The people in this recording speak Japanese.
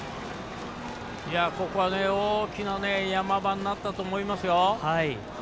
ここは大きな山場になったと思いますよ。